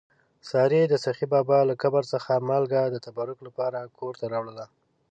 سارې د سخي بابا له قبر څخه مالګه د تبرک لپاره کور ته راوړله.